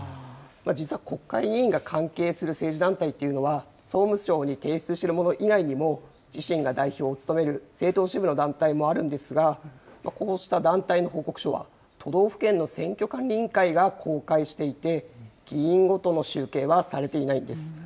実は国会議員が関係する政治団体というのは、総務省に提出しているもの以外にも、自身が代表を務める政党支部の団体もあるんですが、こうした団体の報告書は、都道府県の選挙管理委員会が公開していて、議員ごとの集計はされていないんです。